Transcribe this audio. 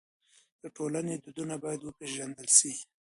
د ټولني دودونه بايد وپېژندل سي.